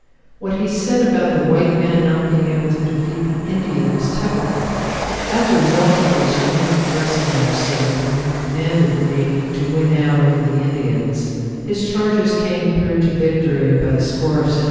What he said about the White man not being able to defeat the Indian was typical. As a result of this unique dressing room scene when he commanded the Navy to win out over the Indians, his charges came through to victory by the score of 17 11.